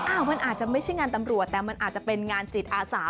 มันอาจจะไม่ใช่งานตำรวจแต่มันอาจจะเป็นงานจิตอาสา